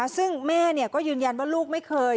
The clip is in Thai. ซึ่งแม่ก็ยืนยันว่าลูกไม่เคย